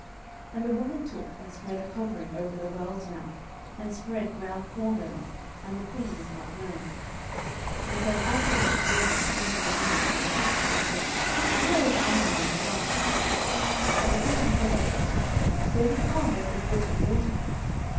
10:017:019 And the woman took and spread a covering over the well's mouth, and spread ground corn thereon; and the thing was not known. 10:017:020 And when Absalom's servants came to the woman to the house, they said, Where is Ahimaaz and Jonathan? And the woman said unto them, They be gone over the brook of water.